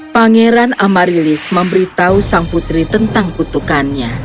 pangeran amarilis memberitahu sang putri tentang kutukannya